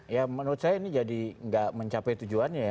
ya menurut saya ini jadi nggak mencapai tujuannya ya